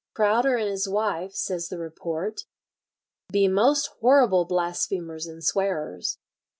"Crowder and his wife," says the report, "be most horrible blasphemers and swearers."